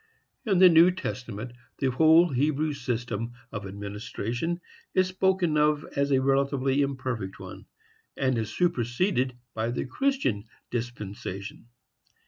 In the New Testament the whole Hebrew system of administration is spoken of as a relatively imperfect one, and as superseded by the Christian dispensation.